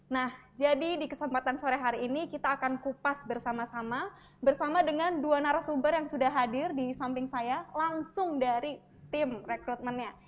nah jadi di kesempatan sore hari ini kita akan kupas bersama sama bersama dengan dua narasumber yang sudah hadir di samping saya langsung dari tim rekrutmennya